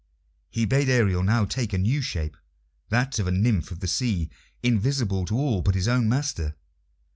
He bade Ariel now take a new shape that of a nymph of the sea, invisible to all but his own master.